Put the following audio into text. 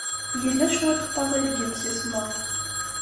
Yella cwiṭ n waḍil deg yimsismeḍ.